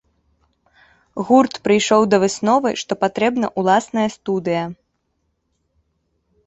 Гурт прыйшоў да высновы, што патрэбна ўласная студыя.